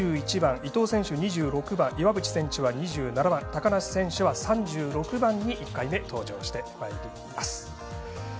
２１番伊藤選手２６番岩渕選手は２７番高梨選手は３６番に１回目、登場してまいります。